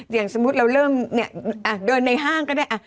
อย่างสมมุติเราเริ่มเนี่ยอ่ะเดินในห้างก็ได้อ่ะ